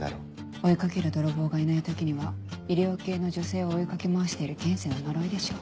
追い掛ける泥棒がいない時には医療系の女性を追い掛け回してる現世の呪いでしょう。